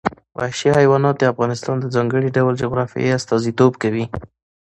وحشي حیوانات د افغانستان د ځانګړي ډول جغرافیه استازیتوب کوي.